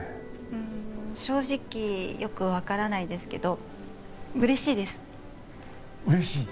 うん正直よく分からないですけど嬉しいです嬉しい？